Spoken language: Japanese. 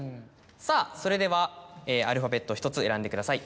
さぁそれではアルファベットを１つ選んでください。